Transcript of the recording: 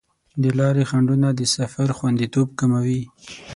د لارې خنډونه د سفر خوندیتوب کموي.